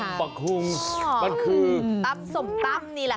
ตั้มบักฮุงมันคือตับสมตับนี่แหละค่ะ